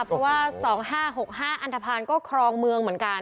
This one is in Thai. เพราะว่า๒๕๖๕อันทภาณก็ครองเมืองเหมือนกัน